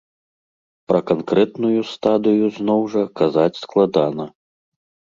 Пра канкрэтную стадыю, зноў жа, казаць складана.